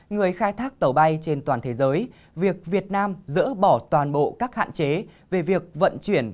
người khai thác tàu bay trên toàn thế giới việc việt nam dỡ bỏ toàn bộ các hạn chế về việc vận chuyển